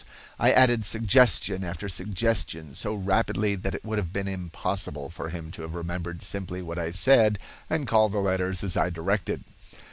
I added suggestion after suggestion so rapidly that it would have been impossible for him to have remembered simply what I said and call the letters as I directed.